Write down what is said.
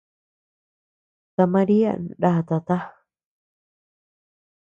Ta Marian ndatata.